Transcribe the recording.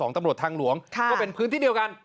ตำรวจทางหลวงก็เป็นพื้นที่เดียวกัน